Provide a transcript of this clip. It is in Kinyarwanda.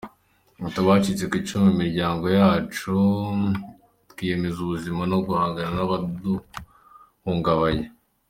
Ati “Abacitse ku icumu mu miryango yacu twiyemeza ubuzima, no guhangana n’abaduhungabanya.